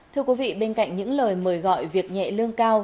thưa quý vị bên cạnh những lời mời gọi việc nhẹ lương cao